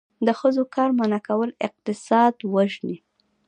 د ښځو کار منع کول اقتصاد وژني.